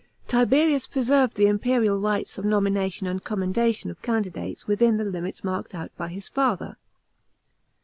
Tiberius preserved the imperial rights of nomination and commendation of candidates within the limits marked out by his father.